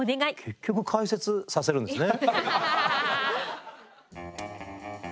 結局解説させるんですね。